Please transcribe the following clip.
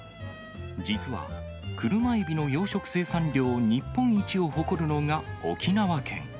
実は車エビの養殖生産量日本一を誇るのが沖縄県。